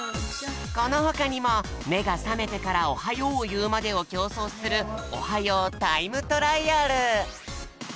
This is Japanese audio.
このほかにもめがさめてからおはようをいうまでをきょうそうする「おはようタイムトライアル」。